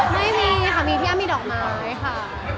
ไม่มีค่ะมีพี่อ้ำมีดอกไม้ค่ะ